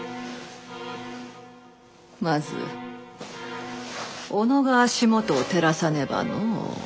まずおのが足元を照らさねばのう。